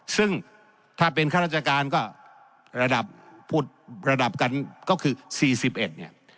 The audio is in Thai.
ซึ่งถ้าเป็นข้าราชการก็ระดับพูดระดับกันก็คือ๔๑เนี่ย